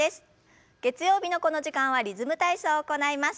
月曜日のこの時間はリズム体操を行います。